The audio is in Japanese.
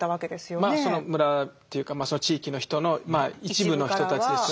まあその村というかその地域の人の一部の人たちですよね。